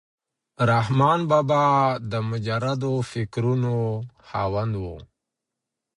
رحمان بابا د مجردو فکرونو خاوند و.